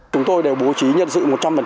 chúng tôi đều bố trí nhân sự một trăm linh